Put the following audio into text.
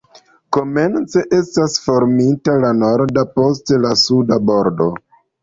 Komence estis formita la norda, poste la suda bordo.